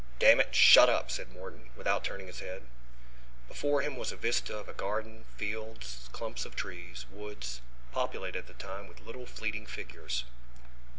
"Damn it, shut up!" said Morton, without turning his head. Before him was a vista of a garden, fields, clumps of trees, woods, populated at the time with little fleeting figures.